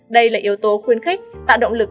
đây là yếu tố khuyên khích tạo động lực